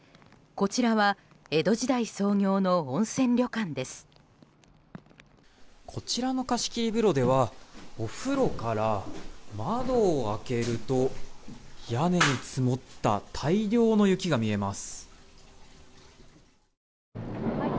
こちらの貸し切り風呂ではお風呂から窓を開けると屋根に積もった大量の雪が見えます。